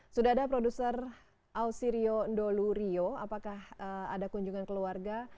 sudah ada produser ausirio ndolurio apakah ada kunjungan keluarga